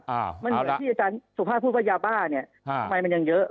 เหมือนที่อาจารย์สุภาพพูดว่ายาบ้าเนี่ยฮะทำไมมันยังเยอะ